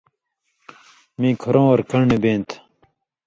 میں کُھرؤں اور کن٘ڈہۡ بیں تھہ